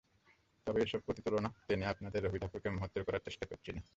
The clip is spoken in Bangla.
তবে এসব প্রতিতুলনা টেনে আপনাদের রবিঠাকুরকে মহত্তর করার চেষ্টা করছি না।